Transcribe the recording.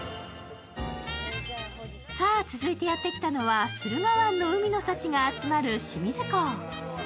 さあ、続いてやってきたのは、駿河湾の海の幸が集まる清水港。